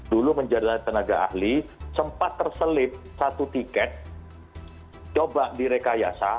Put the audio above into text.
dulu menjadi tenaga ahli sempat terselip satu tiket coba direkayasa